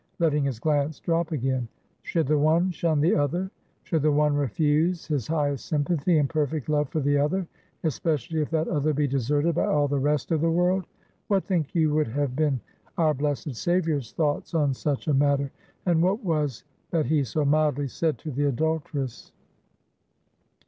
letting his glance drop again "should the one shun the other; should the one refuse his highest sympathy and perfect love for the other, especially if that other be deserted by all the rest of the world? What think you would have been our blessed Savior's thoughts on such a matter? And what was that he so mildly said to the adulteress?"